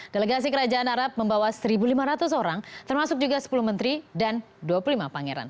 delegasi kerajaan arab membawa satu lima ratus orang termasuk juga sepuluh menteri dan dua puluh lima pangeran